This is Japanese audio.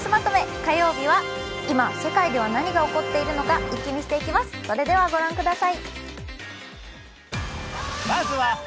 火曜日は、今世界では何が起こっているのか、イッキ見していきます。